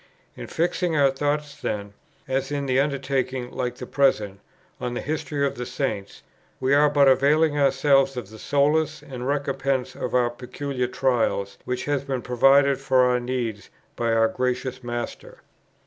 In fixing our thoughts then, as in an undertaking like the present, on the History of the Saints, we are but availing ourselves of that solace and recompense of our peculiar trials which has been provided for our need by our Gracious Master.